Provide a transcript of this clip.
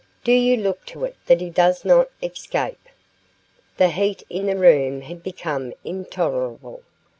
Do you look to it that he does not escape." The heat in the room had become intolerable.